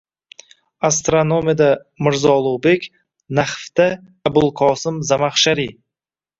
astronomiyada Mirzo Ulug‘bek, nahvda Abulqosim Zamaxshariy